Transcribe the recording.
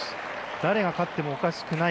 誰が勝ってもおかしくない